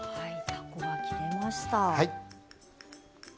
たこが切れました。